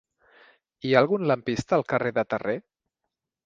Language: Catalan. Hi ha algun lampista al carrer de Terré?